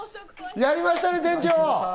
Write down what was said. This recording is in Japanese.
やりましたね、店長！